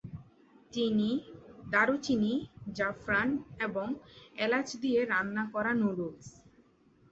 চিনি, দারুচিনি, জাফরান এবং এলাচ দিয়ে রান্না করা নুডলস।